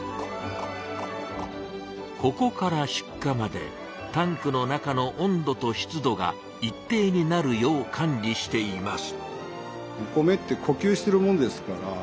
ここから出荷までタンクの中の温度と湿度が一定になるよう管理しています。